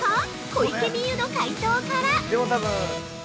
小池美由の解答から。